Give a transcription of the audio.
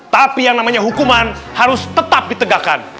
tapi yang namanya hukuman harus tetap ditegakkan